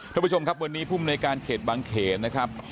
ท่านผู้ชมครับวันนี้ภูมิในการเขตบางเขนนะครับ